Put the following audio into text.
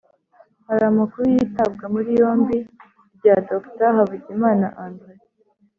hari amakuru y’itabwa muri yombi rya dr havugimana andre